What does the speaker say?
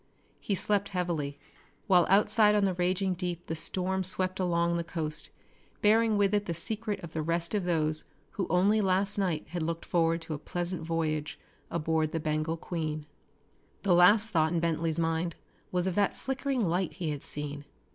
He slept heavily, while outside on the raging deep the storm swept on along the coast, bearing with it the secret of the rest of those who only last night had looked forward to a pleasant voyage aboard the Bengal Queen. The last thought in Bentley's mind was of that flickering light he had seen.